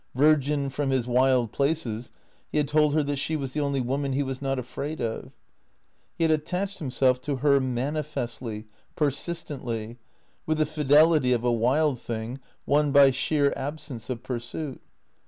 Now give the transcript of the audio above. Virgin from his wild places, he had told her that she was the only woman he was not afraid of. He had attached himself to her manifestly, persistently, with the fidelity of a wild thing won by sheer absence of pursuit.